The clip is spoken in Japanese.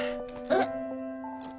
えっ？